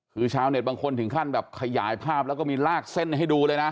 คือชาวเน็ตบางคนถึงขั้นแบบขยายภาพแล้วก็มีลากเส้นให้ดูเลยนะ